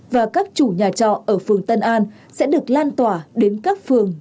và các chủ nhà trọ ở phường tân an sẽ được lan tỏa đến các phường